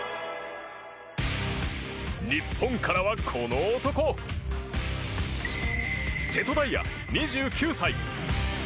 日本からは、この男瀬戸大也、２９歳。